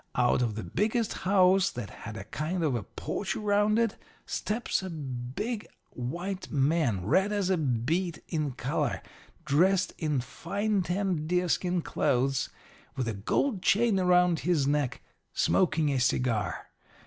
Out of the biggest house, that had a kind of a porch around it, steps a big white man, red as a beet in color, dressed in fine tanned deerskin clothes, with a gold chain around his neck, smoking a cigar.